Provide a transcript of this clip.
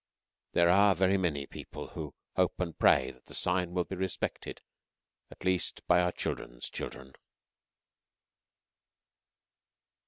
There are very many people who hope and pray that the sign will be respected at least by our children's children.